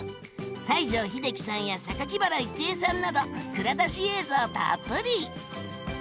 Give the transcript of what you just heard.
西城秀樹さんや原郁恵さんなど蔵出し映像たっぷり！